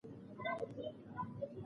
آیا دا غلام د بني غاضرة و؟